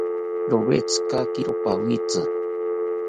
Rowetzikakiro pawitzi